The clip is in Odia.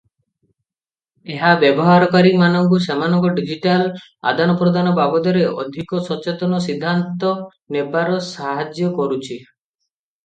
ଏହା ବ୍ୟବହାରକାରୀମାନଙ୍କୁ ସେମାନଙ୍କ ଡିଜିଟାଲ ଆଦାନପ୍ରଦାନ ବାବଦରେ ଅଧିକ ସଚେତନ ସିଦ୍ଧାନ୍ତ ନେବାରେ ସାହାଯ୍ୟ କରୁଛି ।